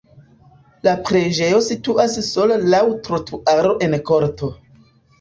La preĝejo situas sola laŭ trotuaro en korto.